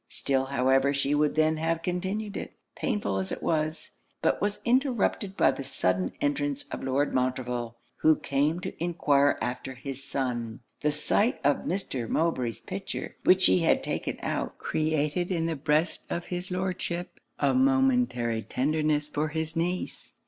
Still however she would then have continued it, painful as it was, but was interrupted by the sudden entrance of Lord Montreville, who came to enquire after his son. The sight of Mr. Mowbray's picture, which she had taken out, created in the breast of his Lordship a momentary tenderness for his niece.